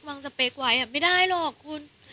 สเปคไว้ไม่ได้หรอกคุณ